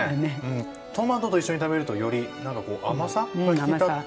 トマトと一緒に食べるとより何かこう甘さが引き立って。